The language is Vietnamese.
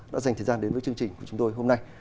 đã dành thời gian đến với chương trình của chúng tôi hôm nay